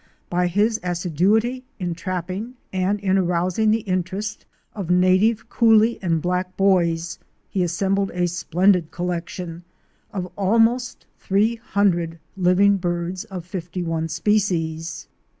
By his assiduity in trapping and in arousing the interest of native coolie and black boys, he assembled a splendid collection of almost three hundred living birds of fifty one species.